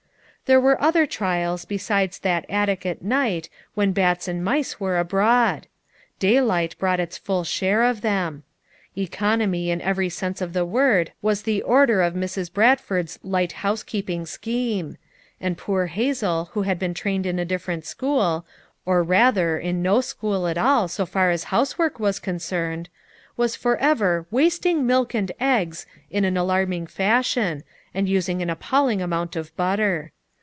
There were other trials besides that attic at night when bats and mice were abroad; day light brought its full share of them. Economy in every sense of the word was the order of Mrs. Bradford 'slight housekeeping scheme; and poor Hazel who had been trained in a different school, or rather in no school at all so far as housework was concerned, was forever "wasting milk and eggs" in alarming fashion and using an appall ing amount of butter.